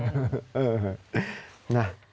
เออนะ